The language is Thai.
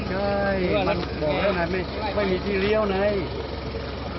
ไม่ใช่มันบอกแล้วไหนไม่มีที่เรียวไหน